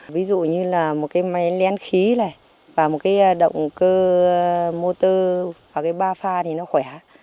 ví dụ như là một cái máy lén khí này và một cái động cơ motor và cái ba pha thì nó khỏe